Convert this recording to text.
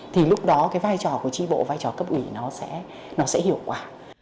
thì lúc đó cái vai trò của tri bộ vai trò cấp ủy nó sẽ hiệu quả